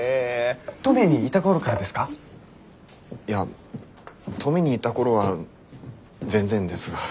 いや登米にいた頃は全然ですが。